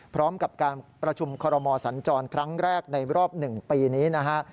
พร้อมกับการประชุมคอรมอสัญจรครั้งแรกในรอบ๑ปีนี้นะฮะ